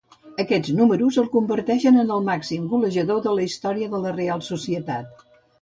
Aquests números el converteixen en el màxim golejador de la història de la Reial Societat.